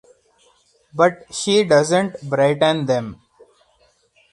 But she doesn’t brighten them.